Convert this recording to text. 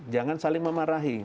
jangan saling memarahi